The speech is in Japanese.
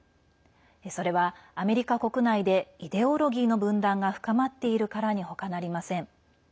それは、アメリカ国内でイデオロギーの分断が深まっているからに他なりません。